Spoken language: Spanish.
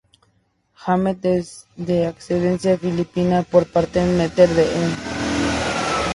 Hammett es de ascendencia filipina por parte materna e irlandesa-estadounidense por parte paterna.